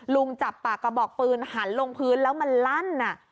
จับปากกระบอกปืนหันลงพื้นแล้วมันลั่น